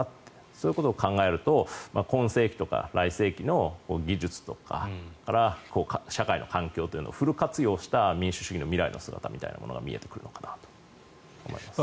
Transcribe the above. そういうことを考えると今世紀とか来世紀の技術とか社会の環境というのをフル活用した、民主主義の未来の姿みたいなものが見えてくるのかなと思います。